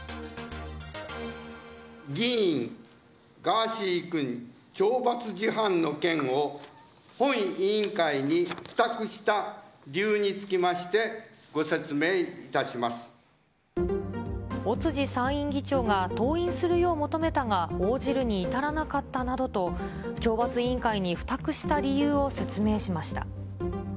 議員ガーシー君、懲罰事犯の件を本委員会に付託した理由につきましてご説明いたし尾辻参院議長が登院するよう求めたが、応じるに至らなかったなどと、懲罰委員会に付託した理由を説明しました。